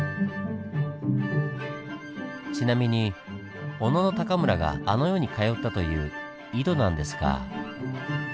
ちなみに小野篁があの世に通ったという井戸なんですが。